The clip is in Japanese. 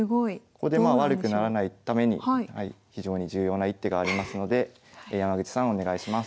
ここでまあ悪くならないために非常に重要な一手がありますので山口さんお願いします。